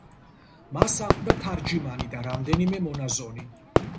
მას ახლდა თარჯიმანი და რამდენიმე მონაზონი.